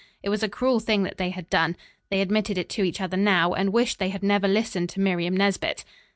It was a cruel thing that they had done. They admitted it to each other now, and wished they had never listened to Miriam Nesbit.